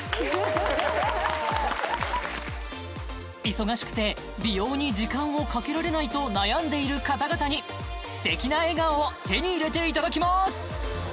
忙しくて美容に時間をかけられないと悩んでいる方々に素敵な笑顔を手に入れていただきます